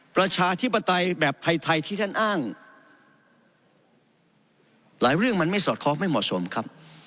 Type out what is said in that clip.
ประชาธิปไตยแบบไทยที่ท่านอ้างหลายเรื่องมันไม่สอดคล้องไม่เหมาะสมครับ